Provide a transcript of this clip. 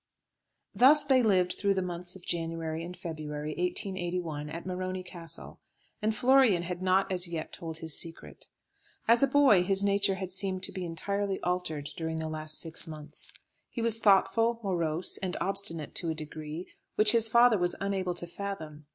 Thus they lived through the months of January and February, 1881, at Morony Castle, and Florian had not as yet told his secret. As a boy his nature had seemed to be entirely altered during the last six months. He was thoughtful, morose, and obstinate to a degree, which his father was unable to fathom.